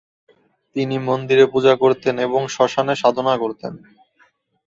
তিনি মন্দিরে পূজা করতেন এবং শ্মশানে সাধনা করতেন।